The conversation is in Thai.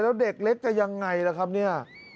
แล้วเด็กเล็กจะยังไงล่ะครับเนี่ย